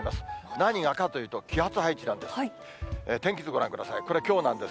何がかというと、気圧配置なんです。